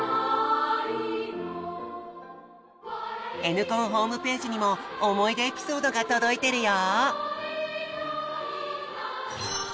「Ｎコン」ホームページにも思い出エピソードが届いてるよ！